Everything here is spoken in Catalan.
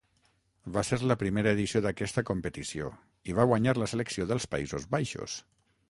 Va ser la primera edició d'aquesta competició i va guanyar la selecció dels Països Baixos.